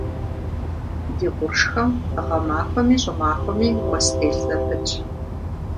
Ди къуршхэм гъэмахуэми щӏымахуэми уэс телъ зэпытщ.